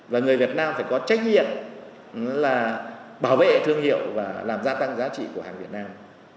và người việt nam phải có trách nhiệm là bảo vệ thương hiệu và làm gia tăng giá trị của hàng việt nam